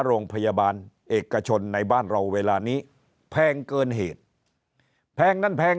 โรงพยาบาลเอกชนในบ้านเราเวลานี้แพงเกินเหตุแพงนั้นแพง